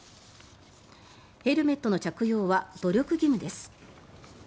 ヘルメットの着用は努力義務です。